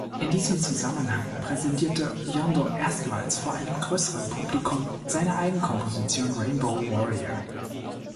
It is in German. In diesem Zusammenhang präsentierte Jondo erstmals vor einem größeren Publikum seine Eigenkomposition „Rainbow Warrior“.